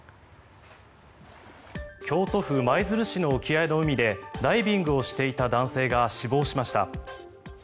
京都府舞鶴市の沖合の海でダイビングをしていた男性が死亡しました。